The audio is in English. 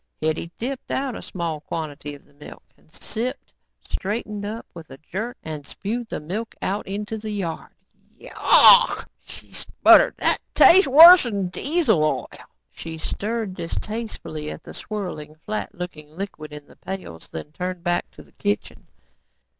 Hetty dipped out a small quantity of the milk, sipped, straightened up with a jerk and spewed the milk out into the yard. "Yaawwwk," she spluttered, "that tastes worse 'n Diesel oil." She stared distastefully at the swirling, flat looking liquid in the pails and then turned back to the kitchen.